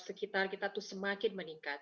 sekitar kita itu semakin meningkat